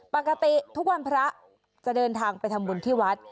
ปกติทุกวันพระจะเดินทางไปทำบุญที่วัด